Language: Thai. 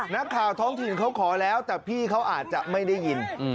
นักข่าวท้องถิ่นเขาขอแล้วแต่พี่เขาอาจจะไม่ได้ยิน